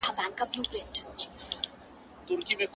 ماته مي شناختو د شهید پلټن کیسه کړې ده!.